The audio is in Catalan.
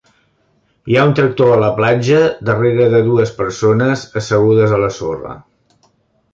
Hi ha un tractor a la platja darrera de dues persones assegudes a la sorra.